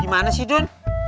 gimana sih dun